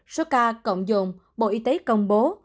số ca cộng dồn bộ y tế công bố